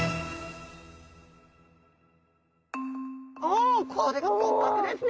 おおこれが骨格ですね。